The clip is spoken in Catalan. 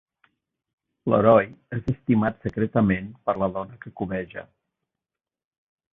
L'heroi és estimat secretament per la dona que cobeja.